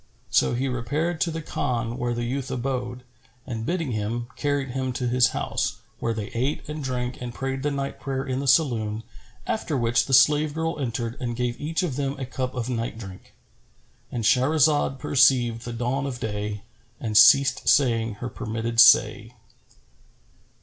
So he repaired to the Khan where the youth abode, and bidding him, carried him to his house, where they ate and drank and prayed the night prayer in the saloon, after which the slave girl entered and gave each of them a cup of night drink,—And Shahrazad perceived the dawn of day and ceased saying her permitted say.